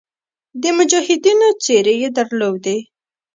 د مجاهدینو څېرې یې درلودې.